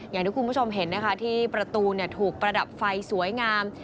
อย่างที่คุณผู้ชมเห็นนะคะที่ประตูถูกประดับไฟสวยงาม